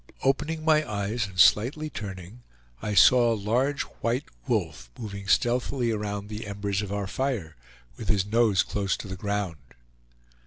Opening my eyes and slightly turning I saw a large white wolf moving stealthily around the embers of our fire, with his nose close to the ground.